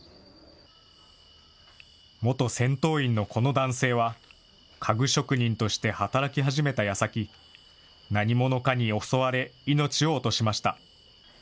元戦闘員のこの男性は、家具職人として働き始めたやさき、何者かに襲われ、命を落としました。